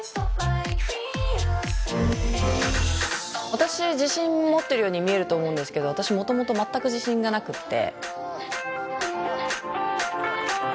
私自信持ってるように見えると思うんですけど私もともと全く自信がなくって。